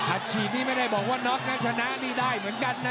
อัดฉีดนี้ไม่ได้บอกว่าน็อกนะชนะนี่ได้เหมือนกันนะ